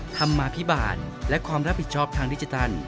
ธรรมาภิบาลและความรับผิดชอบทางดิจิทัล